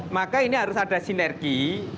maka ini harus ada sinergi